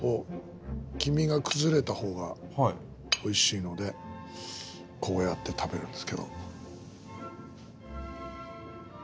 黄身が崩れた方がおいしいのでこうやって食べるんですけど。